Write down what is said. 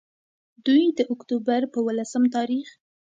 دوي د اکتوبر پۀ ولسم تاريخ